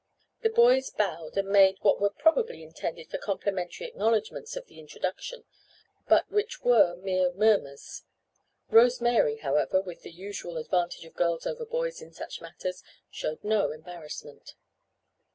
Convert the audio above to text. The boys bowed and made what were probably intended for complimentary acknowledgments of the introduction, but which were mere murmurs. Rose Mary, however with the usual advantage of girls over boys in such matters, showed no embarrassment.